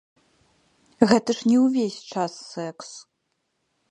Гэта ж не ўвесь час сэкс.